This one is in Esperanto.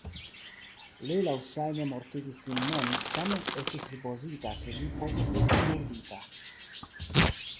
Li laŭŝajne mortigis sin mem, tamen estis supozita ke li povus esti murdita.